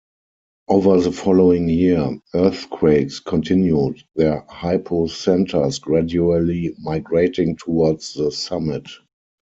Over the following year, earthquakes continued, their hypocentres gradually migrating towards the summit.